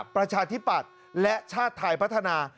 ประชาธิปัตย์และชาติไทยพัฒนา